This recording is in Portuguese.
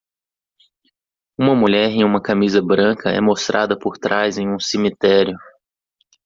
Uma mulher em uma camisa branca é mostrada por trás em um cemitério.